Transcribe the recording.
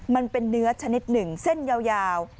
มันเป็นเนื้อชนิดหนึ่งเส้นยาว